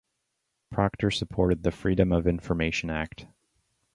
Proctor supported the Freedom of Information Act.